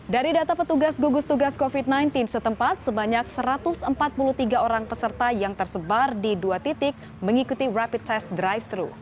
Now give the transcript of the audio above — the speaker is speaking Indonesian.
dari data petugas gugus tugas covid sembilan belas setempat sebanyak satu ratus empat puluh tiga orang peserta yang tersebar di dua titik mengikuti rapid test drive thru